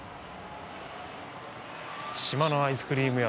島のアイスクリーム屋